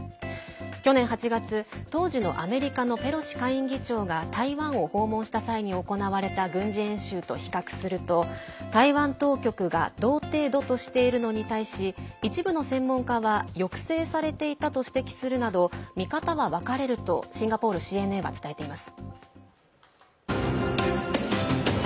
去年８月、当時のアメリカのペロシ下院議長が台湾を訪問した際に行われた軍事演習と比較すると台湾当局が同程度としているのに対し一部の専門家は抑制されていたと指摘するなど見方は分かれるとシンガポールＣＮＡは伝えています。